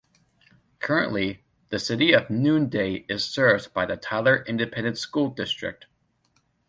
Currently, the City of Noonday is served by the Tyler Independent School District.